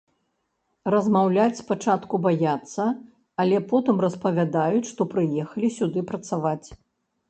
Размаўляць спачатку баяцца, але потым распавядаюць, што прыехалі сюды працаваць.